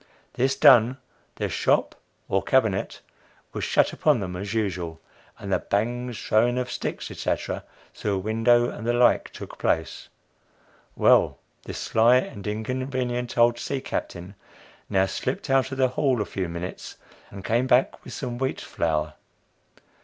This done, their "shop" or cabinet, was shut upon them as usual, and the bangs, throwing of sticks, etc., through a window, and the like, took place. Well, this sly and inconvenient old sea captain now slipped out of the hall a few minutes, and came back with some wheat flour.